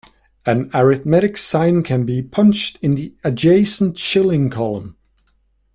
An arithmetic sign can be punched in the adjacent shilling column.